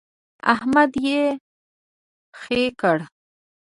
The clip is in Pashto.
احمد يې خې کړ.